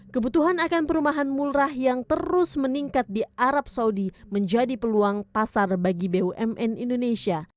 kebutuhan akan perumahan murah yang terus meningkat di arab saudi menjadi peluang pasar bagi bumn indonesia